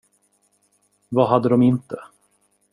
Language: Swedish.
Vad hade de inte?